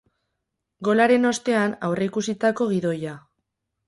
Golaren ostean, aurreikusitako gidoia.